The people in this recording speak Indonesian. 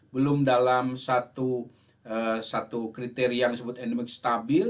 belum dalam satu kriteria yang disebut endemik stabil